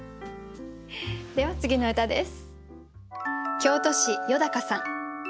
では次の歌です。